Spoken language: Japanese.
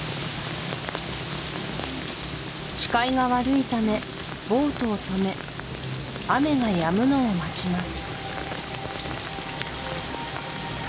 視界が悪いためボートをとめ雨がやむのを待ちます